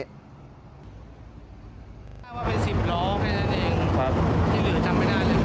ราชาว่าเป็น๑๐ล้อไปแทนเอง